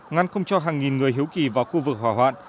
ngăn không cho hàng nghìn người hiếu kỳ vào khu vực hỏa hoạn